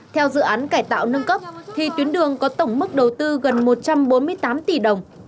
theo dự án cải tạo nâng cấp thì tuyến đường có tổng mức đầu tư gần một trăm bốn mươi tám tỷ đồng